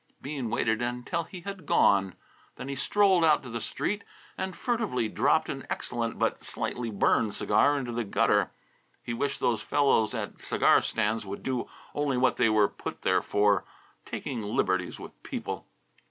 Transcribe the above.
Bean waited until he had gone. Then he strolled out to the street and furtively dropped an excellent and but slightly burned cigar into the gutter. He wished those fellows at cigar stands would do only what they were put there for. Taking liberties with people!